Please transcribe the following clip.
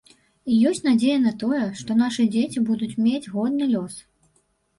І ёсць надзея на тое, што нашы дзеці будуць мець годны лёс.